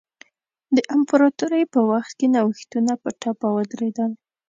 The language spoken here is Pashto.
د امپراتورۍ په وخت کې نوښتونه په ټپه ودرېدل.